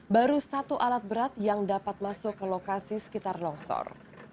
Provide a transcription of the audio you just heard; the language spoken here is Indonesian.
baru satu alat berat yang dapat masuk ke lokasi sekitar longsor